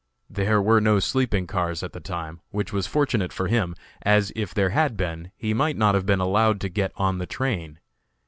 There were no sleeping cars at the time, which was fortunate for him, as, if there had been, he might not have been allowed to get on the train.